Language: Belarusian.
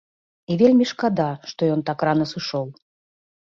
І вельмі шкада, што ён так рана сышоў.